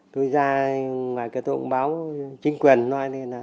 tôi ra ngoài kia tôi cũng báo chính quyền nói lên là